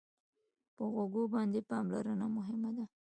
په غوږو باندې پاملرنه مهمه ده.